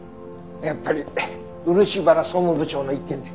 やっぱり漆原総務部長の一件で？